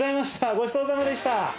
ごちそうさまでした。